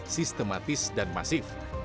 sistematis dan masif